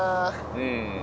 うん。